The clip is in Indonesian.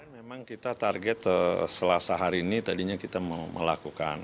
memang kita target selasa hari ini tadinya kita mau melakukan